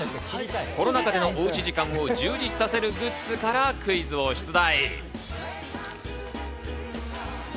コロナ禍でのおうち時間を充実させるグッズからクイズを出題。